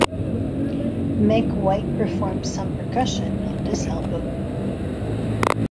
Meg White performs some percussion on this album.